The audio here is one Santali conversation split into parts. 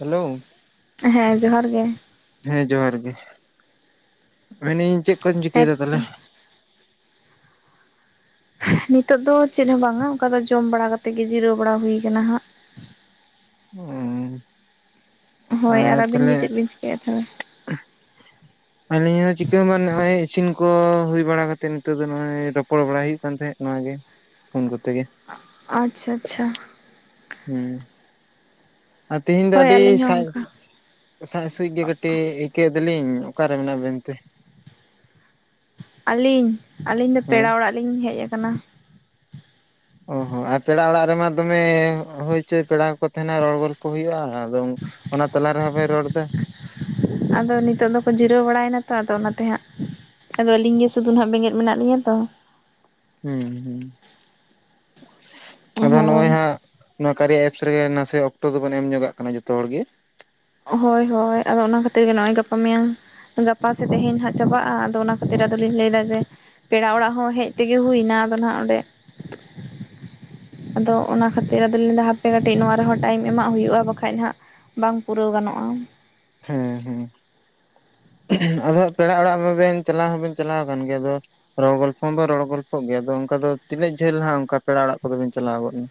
ᱦᱮᱞᱳ᱾ ᱦᱮᱸ ᱡᱚᱦᱟᱨ ᱜᱮ᱾ ᱦᱮᱸ ᱡᱚᱦᱟᱨ ᱜᱮ᱾ ᱢᱮᱱᱤᱧ ᱪᱮᱫ ᱠᱚᱧ ᱪᱤᱠᱟᱹᱭᱫᱟ ᱦᱮᱸᱛᱚ ᱛᱟᱦᱚᱞᱮ? ᱱᱤᱛᱟᱹᱜ ᱫᱚ ᱪᱮᱫ ᱦᱚᱸ ᱵᱟᱝᱟ ᱚᱱᱠᱟ ᱫᱚ ᱡᱚᱢ ᱵᱟᱲᱟ ᱠᱟᱛᱮᱫ ᱜᱮ ᱡᱤᱨᱟᱹᱣ ᱵᱟᱲᱟ ᱦᱩᱭ ᱠᱟᱱᱟ ᱦᱟᱸᱜ᱾ ᱩᱸ ᱦᱳᱭ ᱟᱨ ᱟᱹᱵᱤᱱ ᱜᱮ ᱛᱟᱦᱚᱞᱮ ᱪᱮᱫ ᱵᱤᱱ ᱪᱤᱠᱟᱹᱭᱮᱫ ᱛᱟᱦᱚᱞᱮ ᱟᱹᱞᱤᱧ ᱦᱚᱸ ᱪᱤᱠᱟᱹ ᱢᱟᱱ ᱦᱚᱭ ᱤᱥᱤᱱ ᱠᱚ ᱠᱚ ᱦᱩᱭ ᱵᱟᱲᱟ ᱠᱟᱛᱮ ᱱᱤᱛᱟᱹᱜ ᱫᱚ ᱱᱚᱜᱼᱚᱭ ᱨᱚᱯᱚᱲ ᱵᱟᱲᱟᱭ ᱦᱩᱭᱩᱜ ᱠᱟᱱ ᱛᱟᱦᱮᱸᱫ ᱱᱚᱣᱟ ᱜᱮ, ᱯᱷᱳᱱ ᱠᱚᱛᱮ ᱜᱮ᱾ ᱟᱪᱪᱷᱟ ᱟᱪᱪᱷᱟ᱾ ᱦᱮᱸ᱾ ᱟᱨ ᱛᱤᱦᱤᱧ ᱫᱚ ᱦᱳᱭ ᱟᱹᱰᱤ ᱟᱹᱞᱤᱧ ᱦᱚᱸ ᱥᱟᱡ ᱚᱱᱠᱟ ᱥᱟᱸᱭ ᱥᱩᱡ ᱜᱮ ᱠᱟᱹᱴᱤᱡ ᱟᱭᱠᱟᱹᱭ ᱫᱚᱞᱤᱧ, ᱚᱠᱟᱨᱮ ᱢᱮᱱᱟᱜ ᱵᱮᱱᱛᱮ? ᱟᱹᱞᱤᱧ, ᱟᱹᱞᱤᱧ ᱫᱚ ᱦᱮᱸ ᱯᱮᱲᱟ ᱚᱲᱟᱜ ᱞᱤᱧ ᱦᱮᱡ ᱟᱠᱟᱱᱟ᱾ ᱚ ᱦᱚᱸ, ᱟᱨ ᱯᱮᱲᱟ ᱚᱲᱟᱜ ᱨᱮᱢᱟ ᱫᱚᱢᱮ ᱦᱩᱭ ᱪᱚᱭ ᱯᱮᱲᱟ ᱠᱚᱠᱚ ᱛᱟᱦᱮᱱᱟ ᱨᱚᱲ ᱜᱚᱲ ᱦᱩᱭᱩᱜᱼᱟ, ᱟᱫᱚ ᱚᱱᱟ ᱛᱟᱞᱟ ᱨᱮᱦᱚᱸ ᱵᱮᱱ ᱨᱚᱲ ᱮᱫᱟ᱾ ᱟᱫᱚ ᱱᱤᱛᱚᱜ ᱫᱚᱠᱚ ᱡᱤᱨᱟᱹᱣ ᱵᱟᱲᱟ ᱭᱮᱱᱟ ᱛᱚ, ᱚᱱᱟᱛᱮ ᱦᱟᱸᱜ᱾ ᱟᱫᱚ ᱟᱹᱞᱤᱧ ᱜᱮ ᱥᱩᱫᱩᱱ ᱦᱟᱸᱜ ᱵᱮᱸᱜᱮᱫ ᱢᱮᱱᱟᱜ ᱞᱤᱧᱟᱹ ᱛᱚ᱾ ᱦᱩᱸ ᱦᱩᱸ, ᱟᱫᱚ ᱱᱚᱜᱼᱚᱭ ᱦᱳᱭ ᱦᱟᱸᱜ ᱱᱚᱣᱟ ᱠᱟᱨᱭᱟ ᱮᱯᱥ ᱨᱮᱜᱮ ᱱᱟᱥᱮ ᱚᱠᱛᱚ ᱫᱚᱵᱚᱱ ᱮᱢ ᱧᱚᱜᱚ ᱟᱜ ᱠᱟᱱᱟ ᱡᱚᱛᱚ ᱦᱚᱲ ᱜᱮ᱾ ᱦᱳᱭ ᱦᱳᱭ, ᱟᱫᱚ ᱚᱱᱟ ᱠᱷᱟᱹᱛᱤᱨ ᱜᱮ ᱱᱚᱜᱼᱚᱭ ᱜᱟᱯᱟ ᱢᱮᱭᱟᱝ ᱜᱟᱯᱟ ᱥᱮᱫ ᱛᱮᱦᱮᱧ ᱦᱟᱸᱜ ᱪᱟᱵᱟᱜᱼᱟ᱾ ᱟᱫᱚ ᱚᱱᱟ ᱠᱷᱟᱹᱛᱤᱨ ᱟᱫᱚ ᱞᱤᱧ ᱞᱟᱹᱭᱫᱟ ᱡᱮ ᱯᱮᱲᱟ ᱚᱲᱟᱜ ᱦᱚᱸ ᱦᱮᱡ ᱛᱮᱜᱮ ᱦᱩᱭᱱᱟ ᱟᱫᱚ ᱦᱟᱸᱜ ᱚᱸᱰᱮ [inaudible] ᱟᱫᱚ ᱚᱱᱟ ᱠᱷᱟᱹᱛᱤᱨ ᱟᱫᱚᱧ ᱞᱟᱹᱭᱫᱟ ᱦᱟᱯᱮ ᱠᱟᱹᱴᱤᱡ ᱱᱚᱣᱟ ᱨᱮᱦᱚᱸ ᱴᱟᱭᱤᱢ ᱮᱢᱟᱜ ᱦᱩᱭᱩᱜᱼᱟ, ᱵᱟᱠᱷᱟᱡ ᱦᱟᱸᱜ ᱵᱟᱝ ᱯᱩᱨᱟᱹᱣ ᱜᱟᱱᱚᱜᱼᱟ᱾ ᱦᱮᱸ ᱦᱮᱸ᱾ ᱟᱫᱚ ᱯᱮᱲᱟ ᱚᱲᱟᱜ ᱢᱟᱵᱮᱱ ᱪᱟᱞᱟᱣ ᱦᱚᱸᱵᱮᱱ ᱪᱟᱞᱟᱣ ᱟᱠᱟᱱ ᱜᱮᱭᱟ᱾ ᱟᱫᱚ ᱨᱚᱲ ᱜᱚᱞᱯᱷᱚ ᱢᱟ ᱨᱚᱲ ᱜᱚᱞᱯᱷᱚ ᱜᱮᱭᱟ᱾ ᱟᱫᱚ ᱚᱱᱠᱟ ᱫᱚ ᱛᱤᱱᱟᱹᱜ ᱡᱟᱹᱞ ᱦᱟᱸᱜ ᱚᱱᱠᱟ ᱯᱮᱲᱟ ᱚᱲᱟᱜ ᱠᱚᱫᱚ ᱵᱤᱱ ᱪᱟᱞᱟᱣ ᱜᱚᱫ ᱞᱮᱱᱟ?